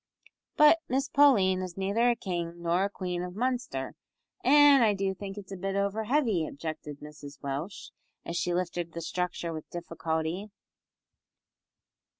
"But Miss Pauline is neither a king nor a queen of Munster, an' I do think it's a bit over heavy," objected Mrs Welsh, as she lifted the structure with difficulty.